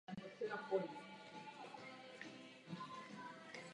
Existuje mnoho variant tohoto písmena.